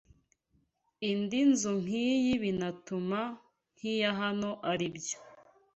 indi nzu nk’iyi binatuma n’iya hano ari byo